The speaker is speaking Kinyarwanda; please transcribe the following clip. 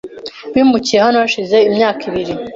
Bimukiye hano hashize imyaka ibiri .